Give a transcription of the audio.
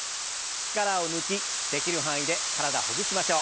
力を抜きできる範囲で体ほぐしましょう。